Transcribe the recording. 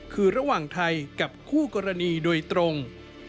คือระหว่างไทยกับคู่กรณีโดยตรง